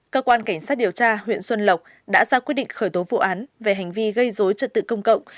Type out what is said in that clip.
cơ quan cảnh sát điều tra huyện xuân lộc đã ra quyết định khởi tố vụ án về hành vi gây dối trật tự công cộng